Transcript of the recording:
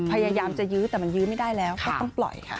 พยายามจะยื้อแต่มันยื้อไม่ได้แล้วก็ต้องปล่อยค่ะ